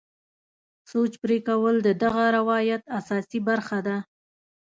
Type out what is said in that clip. سوچ پرې کول د دغه روایت اساسي برخه ده.